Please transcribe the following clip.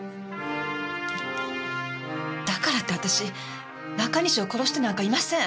だからって私中西を殺してなんかいません！